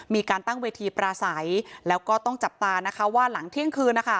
มีการตั้งเวทีปราศัยแล้วก็ต้องจับตานะคะว่าหลังเที่ยงคืนนะคะ